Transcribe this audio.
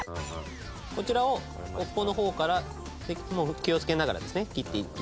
こちらを尾っぽの方から気をつけながらですね切っていきます。